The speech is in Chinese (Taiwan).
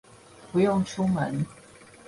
不用出門